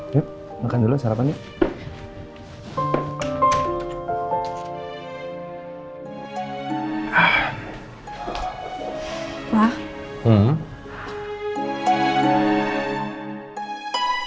yuk makan dulu sarapan yuk